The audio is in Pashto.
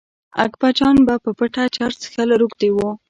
اکبرجان به په پټه چرس څښل روږدي و.